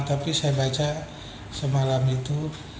tapi saya baca semalam itu